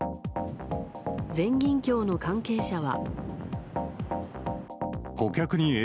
全銀協の関係者は。